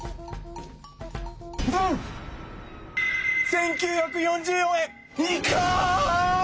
１，９４４円！